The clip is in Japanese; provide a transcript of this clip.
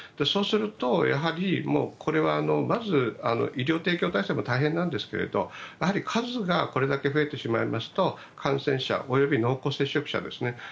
そうするとこれはまず医療提供体制も大変なんですけれど数がこれだけ増えてしまいますと感染者及び濃厚接触者ですね